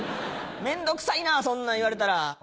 面倒くさいなそんなん言われたら。